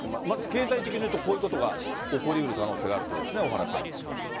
経済的に言うとこういうことが起こりうる可能性があるということですね？